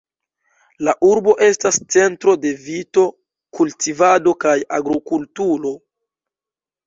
La urbo estas centro de vito-kultivado kaj agrokulturo.